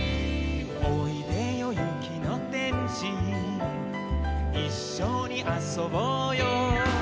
「おいでよゆきのてんし」「いっしょにあそぼうよ」